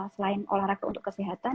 selain olahraga untuk kesehatan